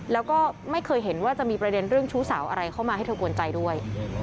แล้วก็ไม่เคยเห็นว่าจะมีประเด็นเรื่องชู้สาวอะไรเข้ามาให้เธอกวนใจด้วย